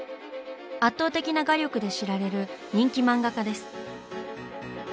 圧倒的な画力で知られる人気漫画家です。